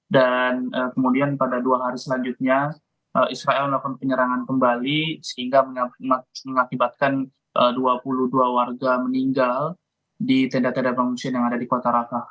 dan kemudian pada dua hari selanjutnya israel melakukan penyerangan kembali sehingga mengakibatkan dua puluh dua warga meninggal di tenda tenda pengungsian yang ada di kota rafah